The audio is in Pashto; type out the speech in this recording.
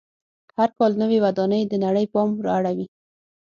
هر کال نوې ودانۍ د نړۍ پام را اړوي.